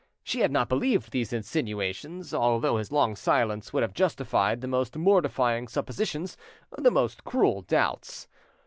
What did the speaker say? She had not believed these insinuations, although his long silence would have justified the most mortifying suppositions, the most cruel doubts.